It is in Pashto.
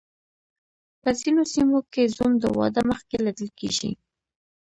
په ځینو سیمو کې زوم د واده مخکې لیدل کیږي.